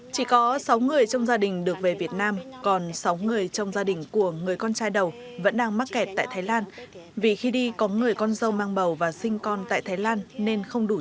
chỉ có sáu người trong gia đình được về việt nam còn sáu người trong gia đình của người con trai đầu vẫn đang mắc kẹt tại thái lan vì khi đi có người con dâu mang bầu và sinh con tại thái lan nên không đủ điều kiện